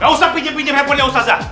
gak usah pinjem pinjem handphone ya ustazah